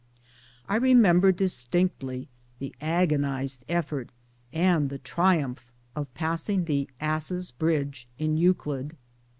I remember dis tinctly the agonized effort and the triumph of passing the " Asses' Bridge " in Euclid.